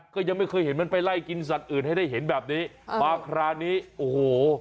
ก็ยังไม่เคยเห็นมันไปไล่กินสัตว์อื่นให้ได้เห็นแบบนี้มาคราวนี้โอ้โห